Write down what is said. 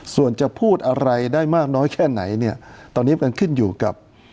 ส่วนจะพูดอะไรได้มากน้อยแค่ไหนเนี่ยตอนนี้มันขึ้นอยู่กับ